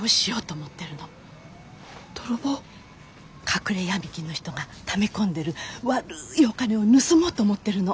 隠れ闇金の人がため込んでる悪いお金を盗もうと思ってるの。